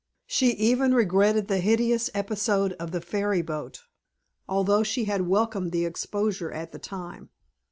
She even regretted the hideous episode of the ferry boat, although she had welcomed the exposure at the time.